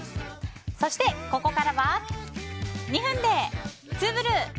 そして、ここからは２分でツウぶる！